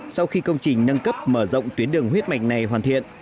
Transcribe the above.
sau khi công trình nâng cấp mở rộng tuyến đường huyết mạch này hoàn thiện